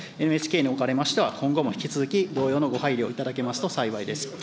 ＮＨＫにおかれましては、今後も引き続き同様のご配慮をいただけますと幸いです。